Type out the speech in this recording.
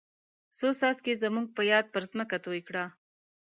څو څاڅکي زموږ په یاد پر ځمکه توی کړه.